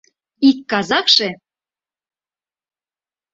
Ик казакше: